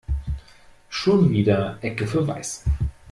Schon wieder Ecke für Weiß.